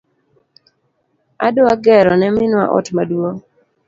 Adwa gero ne minwa ot maduong